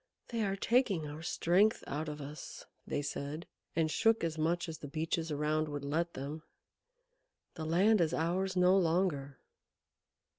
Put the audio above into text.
"They are taking our strength out of us," they said, and shook as much as the Beeches around would let them. "The land is ours no longer."